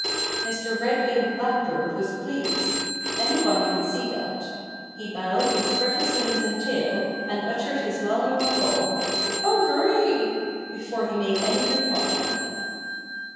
Mr. Red winged Blackbird was pleased. Anybody could see that. He bowed and spread his wings and tail, and uttered his well known call, "Conk err ee!" before he made any reply.